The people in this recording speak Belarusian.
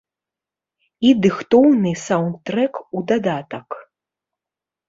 І дыхтоўны саўндтрэк у дадатак.